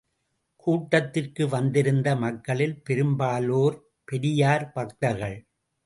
கூட்டடத்திற்கு வந்திருந்த மக்களில் பெரும்பாலோர் பெரியார் பக்தர்கள்.